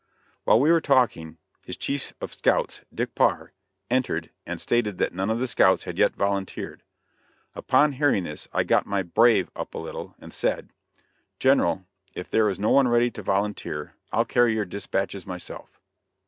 While we were talking, his chief of scouts Dick Parr, entered and stated that none of the scouts had yet volunteered. Upon hearing this I got my "brave" up a little, and said: "General, if there is no one ready to volunteer, I'll carry your dispatches myself."